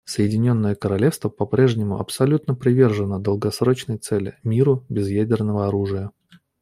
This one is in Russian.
Соединенное Королевство по-прежнему абсолютно привержено долгосрочной цели − миру без ядерного оружия.